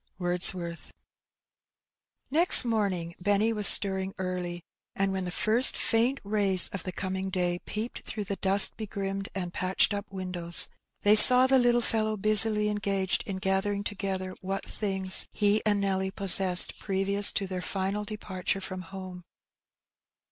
Wordsworth. f" EXT morning Benny was stirring early, and when the jt ^k "T""^^^^^""^^'"^ first faint rayB '• •■^Ai. 1. of the coming day peeped through the dast begnmed and patched np windowj th^ saw the httle fellow bnsily engaged in gathering toge ther what things he and Nelly pn'!sc9=ied previona to their final departure from hoTT.e.